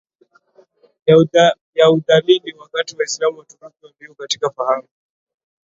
ya udhalili Wakiwa Waislamu Waturuki walio katika fahamu